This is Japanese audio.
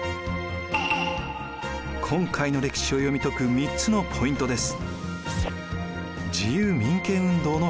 今回の歴史を読み解く３つのポイントです。